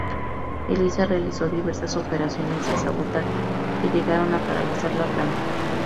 Elisa realizó diversas operaciones de sabotaje que llegaron a paralizar la planta.